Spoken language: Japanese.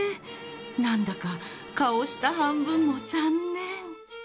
なんだか顔下半分も残念。